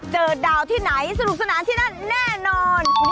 เจอดาวที่ไหนสนุกสนานที่นั่นแน่นอน